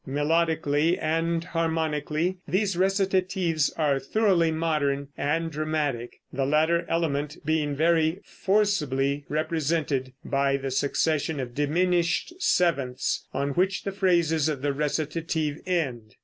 Melodically and harmonically these recitatives are thoroughly modern and dramatic, the latter element being very forcibly represented by the succession of diminished sevenths on which the phrases of the recitative end.